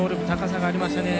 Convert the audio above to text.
高さがありました